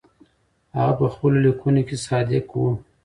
هغه په خپلو لیکنو کې صادق و.